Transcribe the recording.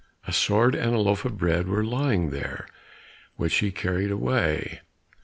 A sword and a loaf of bread were lying there, which he carried away.